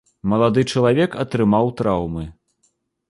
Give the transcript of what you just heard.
Малады чалавек атрымаў траўмы.